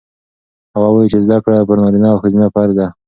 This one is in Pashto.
هغه وایي چې زده کړه پر نارینه او ښځینه فرض ده.